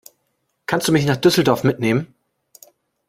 Kannst du mich nach Düsseldorf mitnehmen?